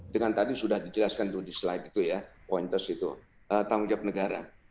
dengan tadi sudah dijelaskan itu di slide itu ya pointers itu tanggung jawab negara